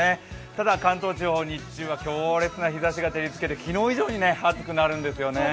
ただ関東地方、日中は強烈な日ざしが照りつけて昨日以上に暑くなるんですよね。